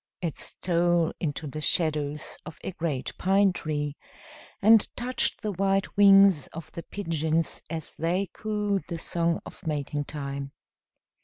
It stole into the shadows of a great pine tree, and touched the white wings of the pigeons as they cooed the song of mating time.